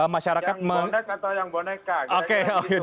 masyarakat yang bonek atau yang boneka